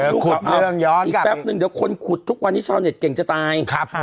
ขุดเอาอีกแป๊บนึงเดี๋ยวคนขุดทุกวันนี้ชาวเน็ตเก่งจะตาย